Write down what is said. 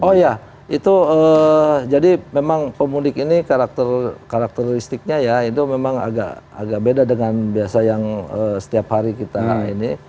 oh ya itu jadi memang pemudik ini karakteristiknya ya itu memang agak beda dengan biasa yang setiap hari kita ini